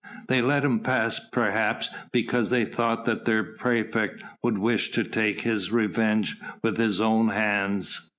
They let him pass perhaps because they thought that their praefect would wish to take his revenge with his own hands.